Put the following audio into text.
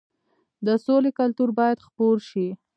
د سولې کلتور باید خپور شي.